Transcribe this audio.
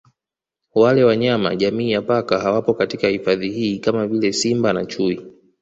Wale wanyama jamii ya Paka hawapo katika hifadhi hii kama vile Simba na Chui